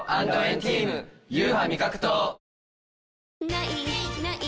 「ない！ない！